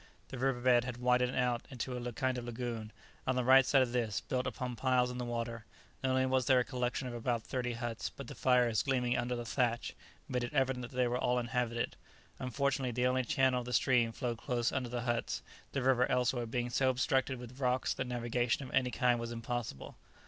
The river bed had widened out into a kind of lagoon, and on the right side of this, built upon piles in the water, not only was there a collection of about thirty huts, but the fires gleaming under the thatch, made it evident that they were all inhabited. Unfortunately the only channel of the stream flowed close under the huts, the river elsewhere being so obstructed with rocks that navigation of any kind was impossible.